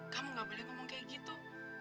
kamu gak boleh ngomong kayak gitu